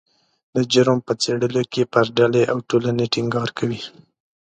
د جرم په څیړلو کې پر ډلې او ټولنې ټینګار کوي